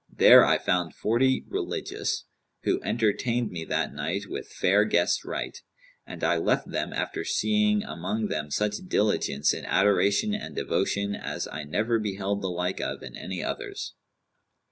There I found forty religious, who entertained me that night with fair guest rite, and I left them after seeing among them such diligence in adoration and devotion as I never beheld the like of in any others.